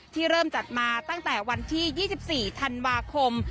ที่เริ่มจัดมาตั้งแต่วันที่ยี่สิบสี่ธันวาคม